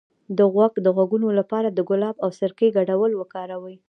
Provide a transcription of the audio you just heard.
د غوږ د غږونو لپاره د ګلاب او سرکې ګډول وکاروئ